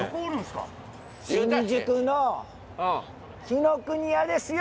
新宿の紀伊國屋ですよ！